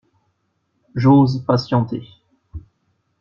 J'ose patienter.